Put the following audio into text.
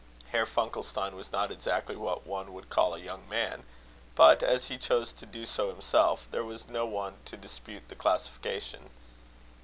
Herr Funkelstein was not exactly what one would call a young man; but, as he chose to do so himself, there was no one to dispute the classification.